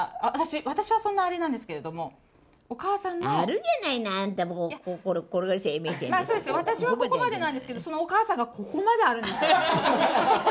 私はそんなにあれなんですけど、あるじゃないの、あんたもこそうです、私はここまでなんですけど、そのお母さんがここまであるんですよ。